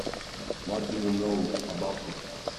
What do you know about it?